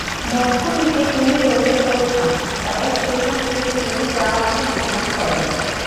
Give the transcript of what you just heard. Moscow থেকে তিনি রোমে পৌঁছান এবং সেখান থেকে তিনি জার্মানি ভ্রমণ করেছিলেন।